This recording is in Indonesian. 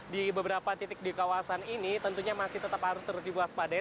di beberapa titik di kawasan ini tentunya masih tetap harus terus diwaspadai